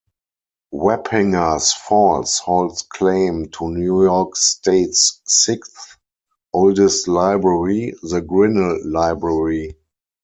Wappingers Falls holds claim to New York State's sixth oldest library, the Grinnell Library.